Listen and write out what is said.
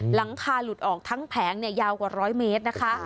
หลังคาหลุดออกทั้งแผงยาวกว่า๑๐๐เมตรนะคะ